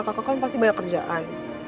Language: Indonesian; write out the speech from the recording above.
papa kan pasti banyak kerjaan